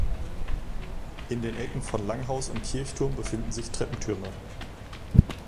In den Ecken von Langhaus und Kirchturm befinden sich Treppentürme.